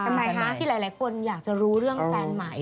ทำไมคะที่หลายคนอยากจะรู้เรื่องแฟนใหม่